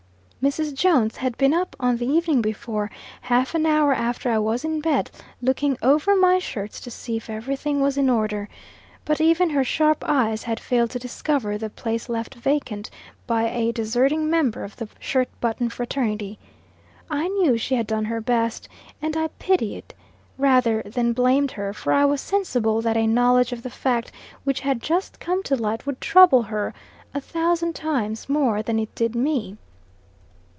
Mrs. Jones had been up on the evening before, half an hour after I was in bed, looking over my shirts, to see if every thing was in order. But even her sharp eyes had failed to discover the place left vacant by a deserting member of the shirt button fraternity. I knew she had done her best, and I pitied, rather than blamed her, for I was sensible that a knowledge of the fact which had just come to light would trouble her a thousand times more than it did me.